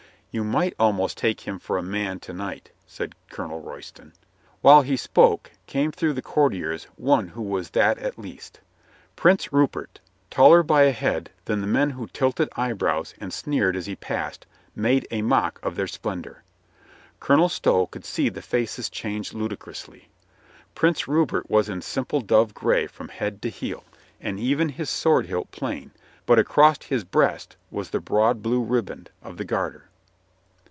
"You might almost take him for a man to night," said Colonel Royston. While he spoke came through the courtiers one who was that at least. Prince Rupert, taller by a head than the men who tilted eyebrows and sneered as he passed, made a mock of their splendor. Colonel Stow could see the faces change ludicrously. Prince Rupert was in simple dove gray from head to heel, and even his sword hilt plain, but across his breast was the broad blue riband of the garter.